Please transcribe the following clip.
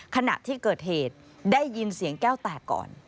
ขณะที่เกิดเหตุได้ยินเสียงแก้วแตกก่อน